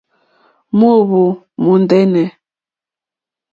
Mòóhwò mòndɛ́nɛ̀.